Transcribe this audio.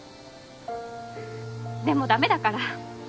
でもだめだから。